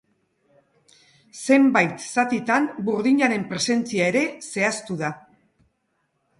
Zenbait zatitan burdinaren presentzia ere zehaztu da.